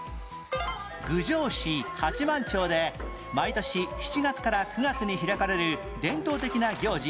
郡上市八幡町で毎年７月から９月に開かれる伝統的な行事